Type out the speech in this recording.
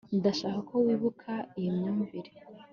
ndashaka ko wibuka iyi myumvire